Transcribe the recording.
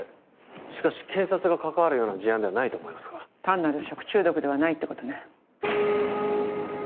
しかし警察が関わるような事案ではないと思いますが単なる食中毒ではないってことね